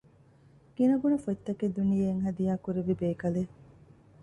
ގިނަގުނަ ފޮތްތަކެއް ދުނިޔެއަށް ހަދިޔާކުރެއްވި ބޭކަލެއް